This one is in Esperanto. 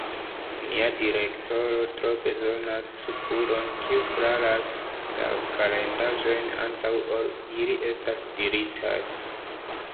Nia direktoro tro bezonas subulon kiu flaras la farendaĵojn antaŭ ol ili estas diritaj.